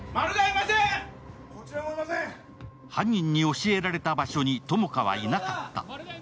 犯人に教えられた場所に友果はいなかった。